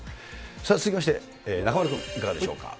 さあ、続きまして中丸君、いかがでしょうか。